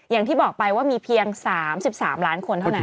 อย่างที่บอกไปว่ามีเพียง๓๓ล้านคนเท่านั้น